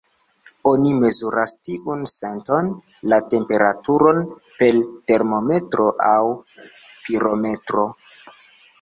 Oni mezuras tiun senton, la temperaturon, per termometro aŭ pirometro.